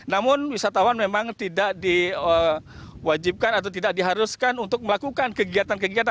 namun wisatawan memang tidak diwajibkan atau tidak diharuskan untuk melakukan kegiatan kegiatan